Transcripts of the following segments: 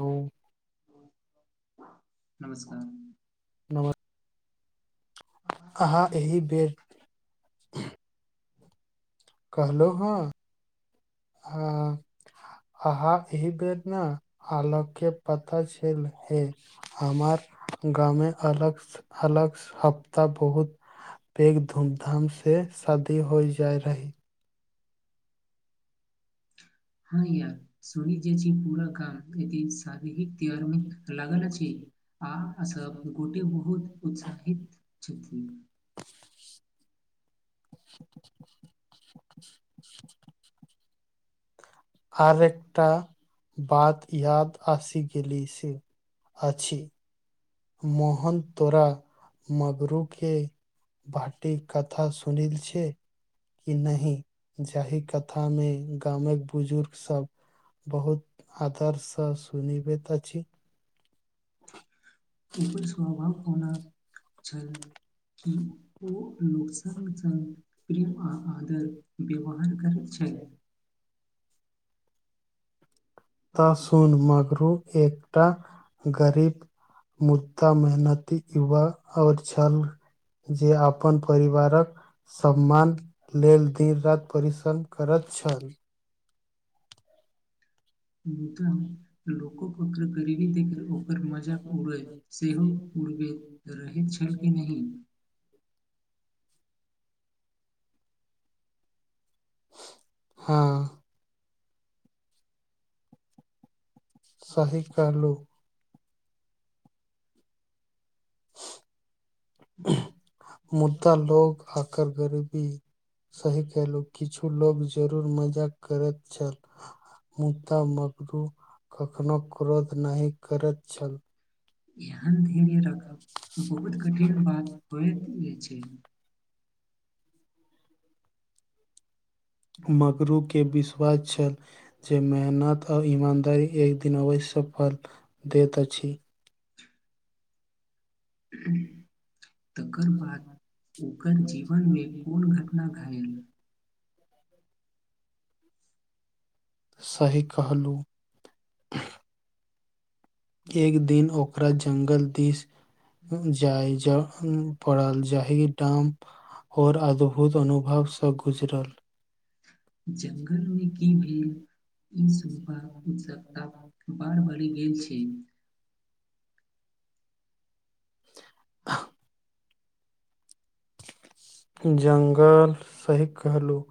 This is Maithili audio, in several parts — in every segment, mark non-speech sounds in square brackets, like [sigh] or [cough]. हूँ नमस्कार नमस् अहाँ एहि बेर कहलौ हँ हँ अहाँ एहि बेर न अलग के पता छल है हमार गाँवमे अलग अलग ह त बहुत पैघ धूम धाम से शादी होइ जाय रही हँ यार सुनैत जे छीयै पूरा गाम एतही साद [inaudible] आ सभ गोटे बहुत उत्साहित छथिन [inaudible] आब एकटा बाद याद आसी गेली सी अछि मोहन तोरा मगरू केँ भाटी कथा सुन सुनल छै कि नहि जाहि कथा मे गाामक बुजुर्ग सब बहुत आ तर सँ सुनबैत अछि हुनकर स्वभाव कोना छल कि ओ लोक संग संग प्रेम आ आदर व्यवहार करैत छै जी [inaudible] [inaudible] तऽ सुन मगरू एकटा गरीब मुद्दा मेहनत युवा आओर छल जे अपन परिवारक सम्मान लेल दिन राति परिश्रम करैत छल मुदन लोकोक ओकर गरीबी देख ओकर मजाक उड़बै सेहो उड़ रहैत छल कि नहि हँ सह कहलू मुद्दा लोग आकर गरीबी सही कहलहुँ किछु लोक जरूर मजाक करैत छल मुदा मगरू कखनो क्रोध नहि करैत छल एहन धैर्य राखब बहुत कठिन बात होइत अछि मगरू के विश्वास छल जे मेहनत आओर इमानदारी एक दिन अवश्य फल दैत अछि हूँ ह तकर बाद ओकर जीवनमे कोन घटना घायल सही कहलू एक दिन ओकरा जंगल दिस जाय ज पड़ल जाहि ठाम आओर अद्भुत अनुभवसँ गुजरल जंगल मे की भेल ई सुक्ता उत्सुकता बार बरि दैत छै आ [inaudible] जंगल सही कहलहुँ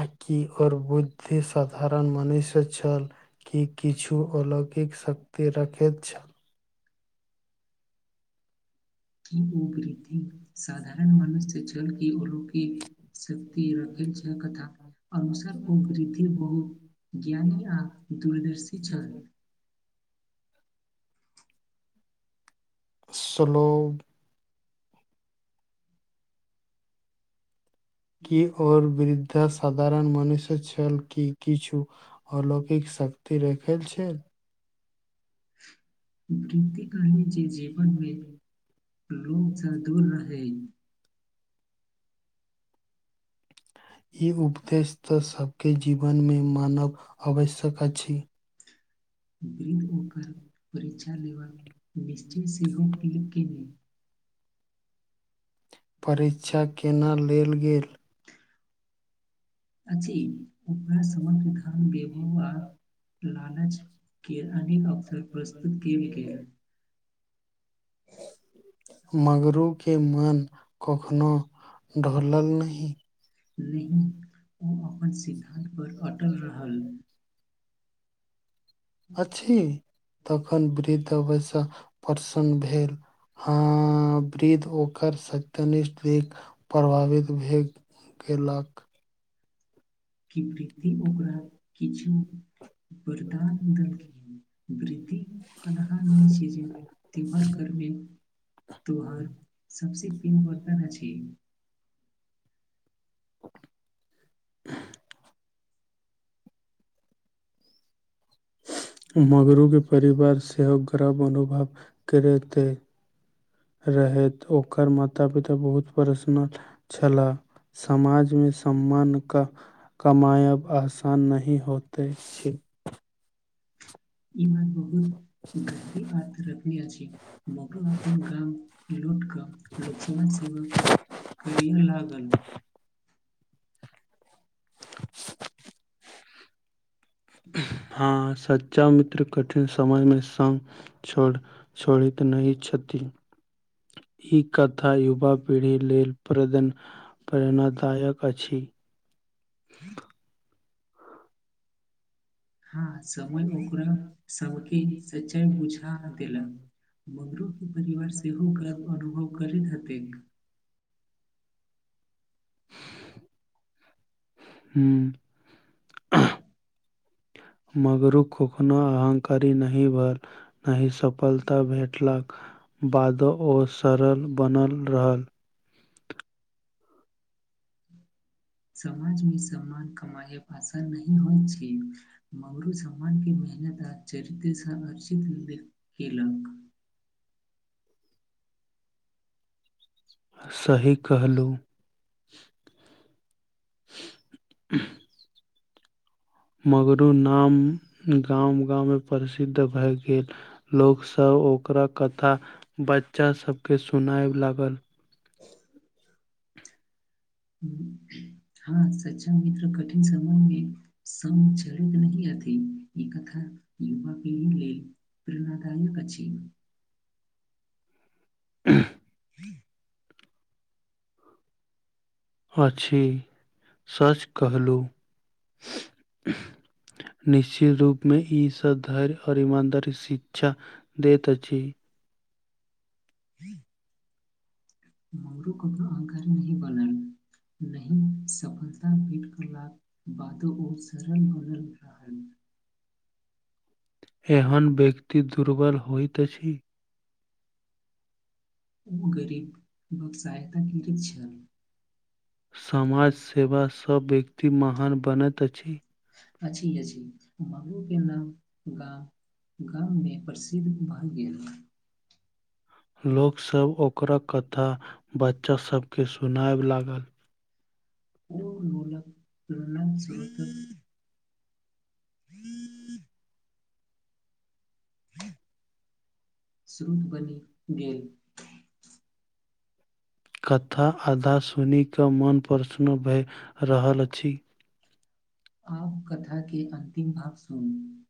आकि आओर बुद्धि साधारण मनुष्य छल कि किछु अलग लौकिक शक्ति रखैत छल कि ओ वृद्धि साधारण मनुष्य जलके अलौकिक शक्त रखे छ कथा अनुसार ओ वृद्धि बहुत ज्ञानी आ दूरदर्शी छल [inaudible] [inaudible] सलूब कीओर वृद्धाश साधारण मनुष्य छल की किछु अलौकिक शक्ति रखैत छै वृ्त काल जे जीवनमे लोसँ दूर रहे ई उपदेश तऽ सभके जीवनमे मानब आवश्यक अछि बृद ओकर परीक्षा लेब मिश्च्री सेहो प्लप केनि परीक्षा केना लेल गेल आ ओक समाम धान ववहारा लालच के अनेक असर प्रस्तुत कल गेल मगरूप के मन कखनो ढलल नहि नहि ओ अपन सिद्धान्तपर अटल रहल आ छी तखन बृद्द वसा प्रसन्न भेल ह वृद्ध ओकर स्यनिष्ठ प्रभावित भे गेलक वि प्रिति ओकरा किछु नै वरदान द वृद्धि कलह छै [inaudible] तिमन कर्मे त्योहार सबसे पिम वर्ताना छै [unintelligible] मगरू के परिवार सेहो गर्व अनुभव करे ते रहैत ओकर माता पिता बहुत प्रसनल छलाह समाज मे सम्मान क कमाायब आस अन नहि होते छी ई बात बहुत गहरी आर् रखनी अछि बगू अपन गाम [inaudible] लोटका लोकसा सेवा करिय लागल हँ सच्चा मित्र कठिन समयमे संघ छोड़ि-छड़ैत नहि छथिन ई कथा युवा पीढ़ी लेल प्रेरणा प्रेरणादायक अछि ह्म हँ समय ओकरा सबके सच्चाइ बुझा देलक मगरू के परिवार सेहो गर्व अनुभव करैत हेतै हूँ [inaudible] मगरू कखनो अहंकारी नहि ही भेल न सफलता भेटलक बादो ओ सरल बनल रहल समाज मे सम्मान कमााय आसान नहि होइ छै मगरू सम्मान के पहि चरितेसँ अर्षितख कल सही कहलहुँ [inaudible] मगरू नाम गाम गाममे प्रसिद्ध भए गेल लोकसभ ओकरा कथा बच्चा सबके सुनाय लागल [inaudible] हू [inaudible] हँ सच्चा मित्र कठिन समय मे सम झड़ित नथ ई कथा युवा पीढ़ी लेल प्रेरणादायक अछि। ह ह [inaudible] अछि सच कहलहुँ निश्चित रूपमे ई सधैर्य आओर ईमानदारी शिक्षा देैत अछि हू [inaudible] मगरु कक्का अहाँ घर नहि बनल [inaudible] नहि सफलता भेंट करवाक बातो ओ सरल बनल रहल [inaudible] [inaudible] एहन व्यक्ति दुर्बल होइत अछि ओ गरीब लोक सहायता कीरैत छल समाज सेवा सँ व्यक्ति महान बनैत अछि अछि अछि मगलू के नाम गाम गाममे प्रसिद्ध भए गेल लोकसभ ओकरा कथा बच्चा सभके सुनाएब लागल ओ नोलक तुरनात सुरत [unintelligible] ह्म [inaudible] श्रुत बनि गेल कथा आधा सुनि कऽ मन प्रसन्न भए रहल अछि आब कथाकेँ अंतिम भाव सुनू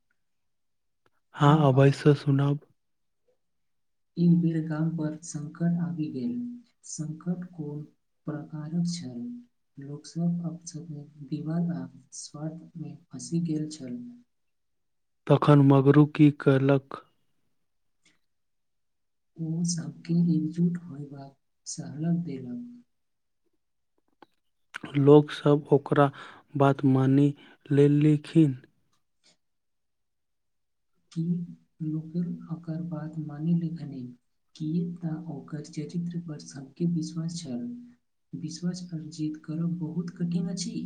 हँ हँ वैसु सुनाब ई बेर गाम पर संकट आबि गेल संकट कोन प्रकारक छल लोक सब अप सब विवाद आ सर्टमे फँसि गेल छल तखन मगरू की कैलक ओ सभके एकजुट होइबाक सहलक देलक लोकसभ ओकरा बात मानि लेलखिन कि लोकक अकर बात मानि लेखनि किए तऽ ओकर चरित्र पर सभकेँ विश्वास छल विश्वास अर्जित करब बहुत कठिन अछि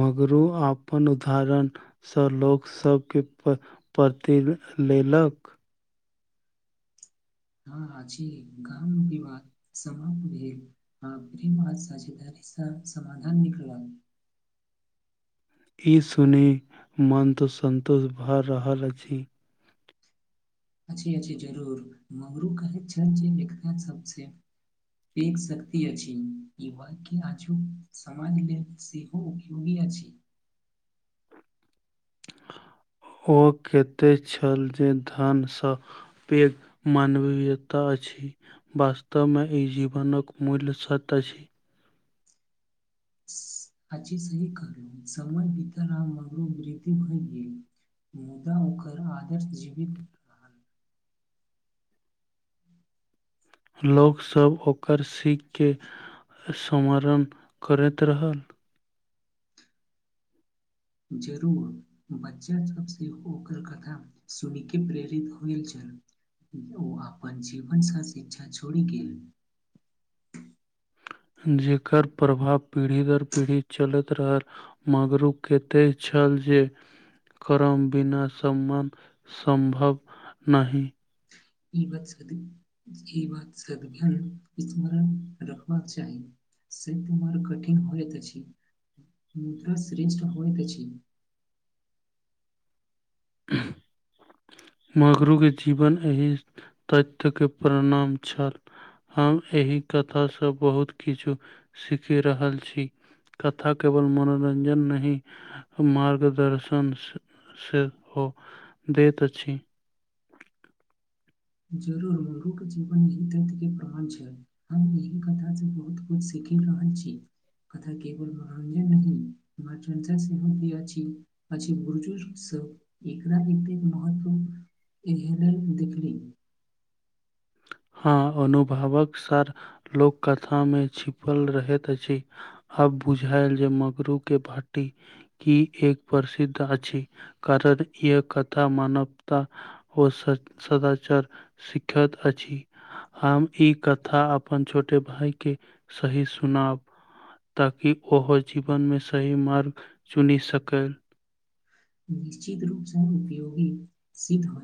मगरू आपन ओ दाहरणस लोक सबके प पति लेलक हँ आछि गाम विवाद समाप्त भेल आ साझेदारी समाधान निकलब ई सुनि मन तऽ सन्तोष भऽ रहल अछि अछि अछि जरूर मगरू कहैत छल जे लिखना सबसँ देख सकति अछि युवा की आजुक समाज लेल सेहो उपयोगी अछि [inaudible] ओ कहिते छल जे धनसँ पैघ मानवीयता अछि बास्तवमे ई जीवनक मल सत अछि आची सहि कहलौं समय बितल आ मगरूक मृत्यु भऽ गेल मुदा ओकर आदर्श जीवित रहल लोकसभ ओकर सीखकेँ स्मरण करैत रहल जरूर बच्चा सब सेहो ओकर कथा सुनि के प्रेरित होइल छल ओ अपन जीवनक सशिक्षा छोड़ि गेल [inaudible] जेकर प्रभाव पीढ़ी दर पीढ़ी चलैत रहल मगरु कतय छल जे करम बिना सम्मान सम्भव नहि [unintelligible] ई बात सकधर स्मरण रखबाक चाही [unintelligible] कठिन होइ अछि मुद्रा श्रेष्ठ होइत अछि [inaudible] मगरू के जीवन एहि त्यके प्रणाम छल हम एहि क त स बहुत किछु सीख रहल छी कथा केवल मनो रंजन नहि मार्गदर्शन स से हो देैत अछि जरूर मरूख जीवन हि तत्व के प्रमां छ हम यह कथा से बहुत कुछ सीख खी रहल छी कथा केवल मनोरंजन नहि [unintelligible] त एकरा एतेक महत्व एहेलेल देखली हँ अनुभवक सर लोककथामे छिपल रहैत अछि आब बुझायल जे मगरू के भटी की ए क प्रसिद्ध अछि कारण इ कथा मानवता ओ सदाचार सिकखत अछि छी हम ई कथा अपन छोटे भााय के सही सुनाब ताकि ओहो जीवनमे सही मार्ग चुनि सकै निश्चित रूपसँ उपयोगी सित हो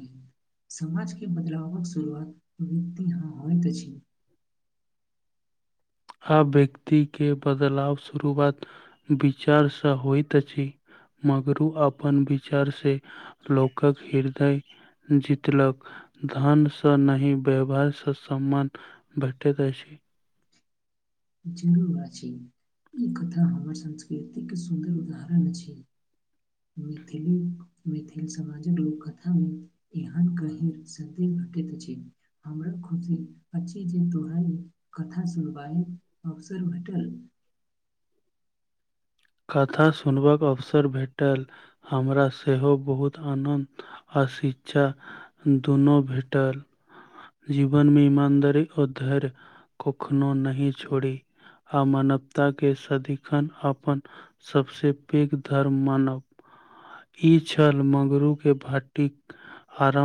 समाज के बदलावक शुरुआत व्यक्ति हँ होइ त छै आ व्यक्ति के बदलाव शुरुआत विचारसँ होइतइत अछि मगरु अपन विचार से लोकक हृदय जतलक धनसँ नहि व्यवहारसँ सम्मान भेटैत अछि जरूर आ छी ई कथा हमर संस्कृतिक सुन्दर उदाहरण अछि मैथिली मैथिल समाजक लोककथामे एहन कहिर सदह घटैत अछि हमरा खुशी अछि जे तोरा कथा सुनबााय [unintelligible] कथा सुनबाक अवसर भेटल हमरा सेहो बहुत आनन्द आ शिक्षा दुनो भेटल जीवनमे ईमानदारी आ धैर्य कखनो नहि छोड़ी अ मानवता के के सदिखन अपन सबस पैघ धर्म मानब ई छल मगरू के भाटिक आरम्भ